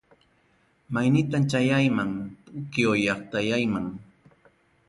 Maynintam chayayman, puquio llaqtallayman.